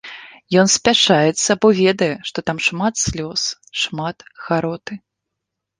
Ён спяшаецца, бо ведае, што там шмат слёз, шмат гароты.